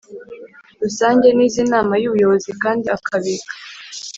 Rusange n iz inama y ubuyobozi kandi akabika